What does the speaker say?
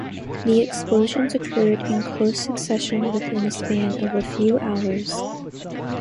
The explosions occurred in close succession within a span of a few hours.